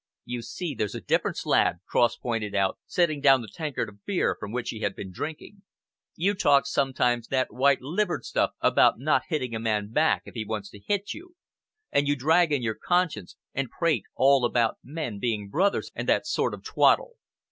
"You see, there's a difference, lad," Cross pointed out, setting down the tankard of beer from which he had been drinking. "You talk sometimes that white livered stuff about not hitting a man back if he wants to hit you, and you drag in your conscience, and prate about all men being brothers, and that sort of twaddle.